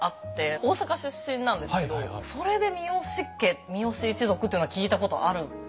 大阪出身なんですけどそれで三好家三好一族というのは聞いたことあるのかなという。